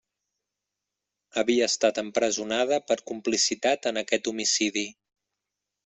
Havia estat empresonada per complicitat en aquest homicidi.